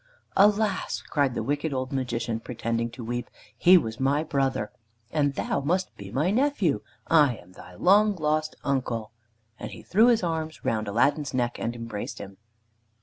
"Alas!" cried the wicked old Magician, pretending to weep, "he was my brother, and thou must be my nephew. I am thy long lost uncle!" and he threw his arms round Aladdin's neck and embraced him.